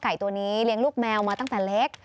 ตัวนี้เลี้ยงลูกแมวมาตั้งแต่เล็ก